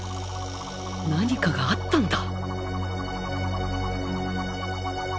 何かがあったんだ